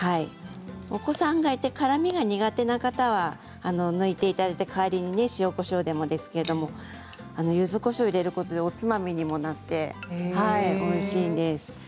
お子さんがいて辛みが苦手な方は抜いていただいて代わりに塩、こしょうでもいいですけどゆずこしょうを入れることでおつまみにもなっておいしいんです。